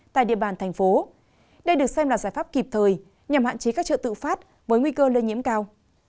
tại địa bàn thành phố đây được xem là giải pháp kịp thời nhằm hạn chế các chợ tự phát với nguy cơ lây nhiễm cao